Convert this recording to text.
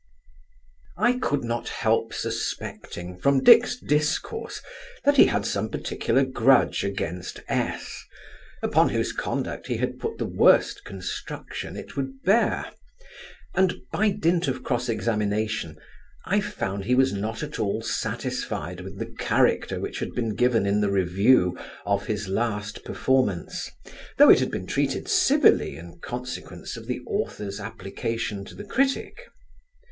I could not help suspecting, from Dick's discourse, that he had some particular grudge against S , upon whose conduct he had put the worst construction it would bear; and, by dint of cross examination, I found he was not at all satisfied with the character which had been given in the Review of his last performance, though it had been treated civilly in consequence of the author's application to the critic.